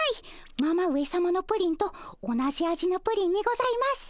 ママ上さまのプリンと同じ味のプリンにございます。